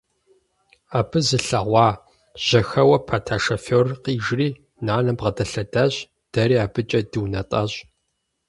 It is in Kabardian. Ар зылъэгъуа, жьэхэуэ пэта шофёрыр къижри, нанэм бгъэдэлъэдащ, дэри абыкӀэ дунэтӀащ.